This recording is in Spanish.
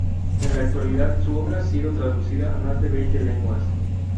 En la actualidad su obra ha sido traducida a más de veinte lenguas.